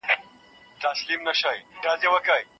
دا نوی د بادامو بڼ په عصري او علمي سیسټم سره جوړ شوی دی.